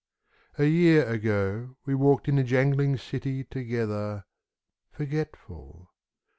... A year ago we walked in the jangling city Together .... forgetful.